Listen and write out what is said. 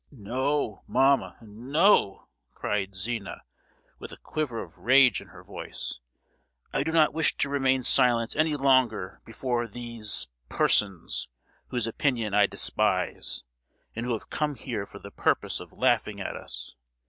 "No, mamma, no!" cried Zina, with a quiver of rage in her voice, "I do not wish to remain silent any longer before these—persons, whose opinion I despise, and who have come here for the purpose of laughing at us.